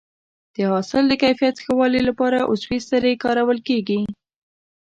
د حاصل د کیفیت ښه والي لپاره عضوي سرې کارول کېږي.